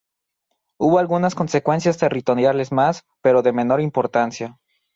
Hubo algunas consecuencias territoriales más, pero de menor importancia.